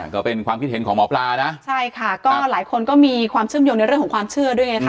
ก็เป็นความคิดเห็นของหมอปลานะใช่ค่ะก็หลายคนก็มีความเชื่อมโยงในเรื่องของความเชื่อด้วยไงค่ะ